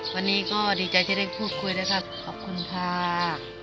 วันนี้ก็ดีใจที่ได้พูดคุยนะครับขอบคุณค่ะ